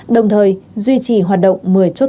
đồng thời duy trì hoạt động một mươi chốt